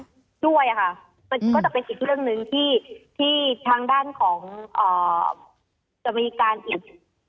ด้วยค่ะมันก็จะเป็นอีกเรื่องหนึ่งที่ทางด้านของจะมีการอีก